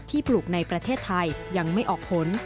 ปลูกในประเทศไทยยังไม่ออกผล